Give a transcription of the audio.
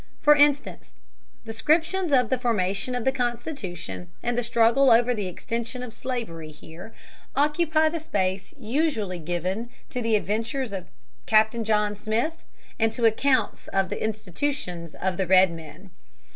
For instance, descriptions of the formation of the Constitution and of the struggle over the extension of slavery here occupy the space usually given to the adventures of Captain John Smith and to accounts of the institutions of the Red Men.